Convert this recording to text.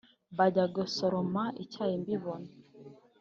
bajya gosoroma icyayi mbibona